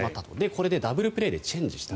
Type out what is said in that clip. これでダブルプレーでチェンジした。